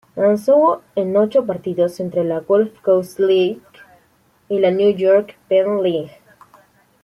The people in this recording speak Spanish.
Lanzó en ocho partidos entre la "Gulf Coast League" y la "New York-Penn League".